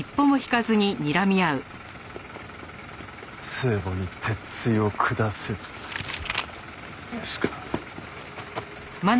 聖母に鉄槌を下せずですか。